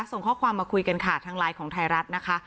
ส่งข้อความมาคุยกันค่ะทางไลน์ของไทยรัฐนะคะ